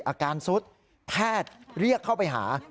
อาการซุดแพทย์เรียกเข้าไปหา